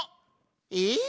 えっ？